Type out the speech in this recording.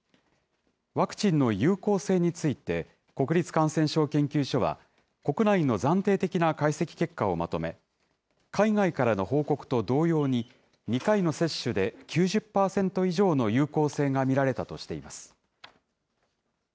ワクチンの有効性について、国立感染症研究所は、国内の暫定的な解析結果をまとめ、海外からの報告と同様に、２回の接種で９０％以上の有効性が見られたとしています。